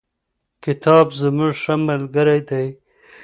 کتاب زموږ ښه ملگری دی.